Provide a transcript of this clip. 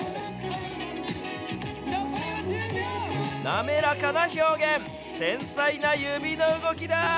滑らかな表現、繊細な指の動きだ。